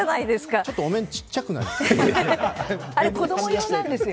ちょっとお面、ちっちゃくないですか？